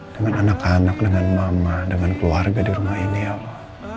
dengan anak anak dengan mama dengan keluarga di rumah ini ya allah